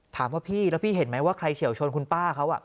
ถามว่าพี่แล้วพี่เห็นไหมว่าใครเฉียวชนคุณป้าเขา